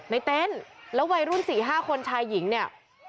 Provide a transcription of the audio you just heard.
เต็นต์แล้ววัยรุ่น๔๕คนชายหญิงเนี่ย